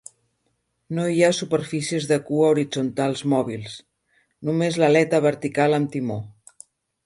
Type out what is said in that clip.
No hi ha superfícies de cua horitzontals mòbils, només l'aleta vertical amb timó